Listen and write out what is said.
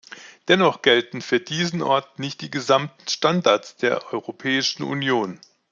Dennoch gelten für diese Orte nicht die gesamten Standards der Europäischen Union.